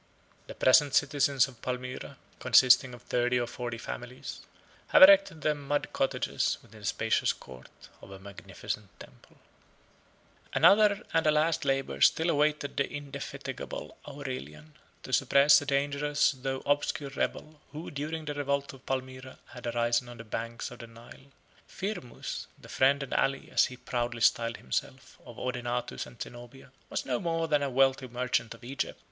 The present citizens of Palmyra, consisting of thirty or forty families, have erected their mud cottages within the spacious court of a magnificent temple. 75 (return) [ Hist. August. p. 219.] Another and a last labor still awaited the indefatigable Aurelian; to suppress a dangerous though obscure rebel, who, during the revolt of Palmyra, had arisen on the banks of the Nile. Firmus, the friend and ally, as he proudly styled himself, of Odenathus and Zenobia, was no more than a wealthy merchant of Egypt.